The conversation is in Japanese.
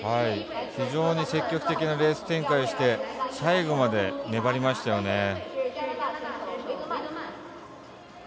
非常に積極的なレース展開をして最後まで粘りましたよね。